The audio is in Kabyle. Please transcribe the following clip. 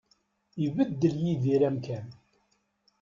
Ibeddel Yidir amkan.